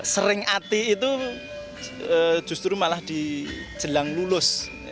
sering ati itu justru malah di jelang lulus